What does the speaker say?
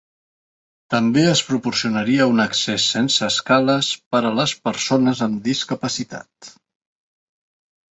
També es proporcionaria un accés sense escales per a les persones amb discapacitat.